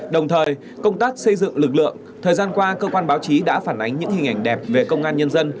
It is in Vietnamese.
đồng thời công tác xây dựng lực lượng thời gian qua cơ quan báo chí đã phản ánh những hình ảnh đẹp về công an nhân dân